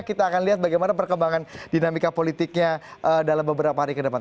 kita akan lihat bagaimana perkembangan dinamika politiknya dalam beberapa hari ke depan